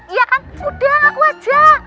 iya kan udah aku aja